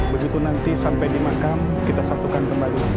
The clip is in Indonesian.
begitu nanti sampai di makam kita satukan kembali